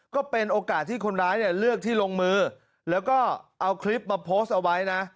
ก็เป็นโอกาสที่คนร้ายเนี่ยเลือกที่ลงมือแล้วก็เอาคลิปมาโพสต์เอาไว้นะ